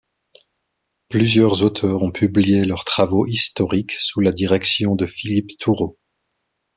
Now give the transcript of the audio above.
Plusieurs auteurs ont publié leurs travaux historiques sous la direction de Philippe Tourault.